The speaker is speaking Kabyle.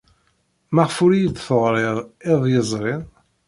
Maɣef ur iyi-d-teɣrid iḍ yezrin?